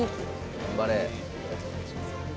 頑張れ。